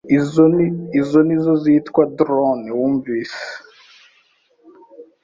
Izo nizo zitwa drone wumvise